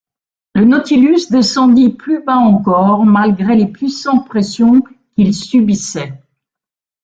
Le Nautilus descendit plus bas encore, malgré les puissantes pressions qu’il subissait.